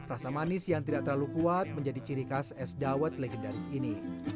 rasa manis yang tidak terlalu kuat menjadi ciri khas es dawet legendaris ini